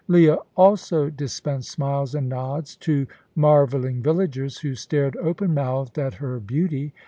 Leah also dispensed smiles and nods to marvelling villagers, who stared open mouthed at her beauty.